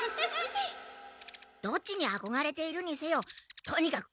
どっちにあこがれているにせよとにかく